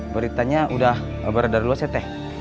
beritanya udah berada luas ya teh